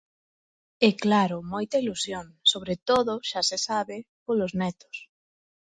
E claro moita ilusión, sobre todo, xa se sabe, polos netos.